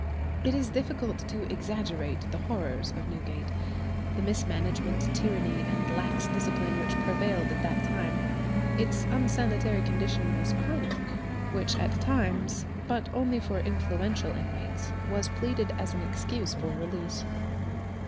It is difficult to exaggerate the horrors of Newgate, the mismanagement, tyranny, and lax discipline which prevailed at that time. Its unsanitary condition was chronic, which at times, but only for influential inmates, was pleaded as an excuse for release.